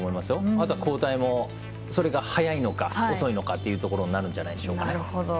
あとは交代もそれが早いのか遅いのかというところになるんでしょうかね。